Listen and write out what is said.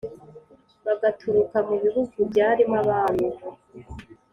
bagaturuka mu bihugu byarimo abami